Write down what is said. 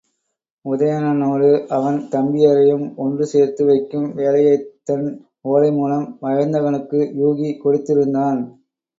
உதயணனோடு அவன் தம்பியரையும் ஒன்று சேர்த்து வைக்கும் வேலையைத் தன் ஓலைமூலம் வயந்தகனுக்கு யூகி கொடுத்திருந்தான்.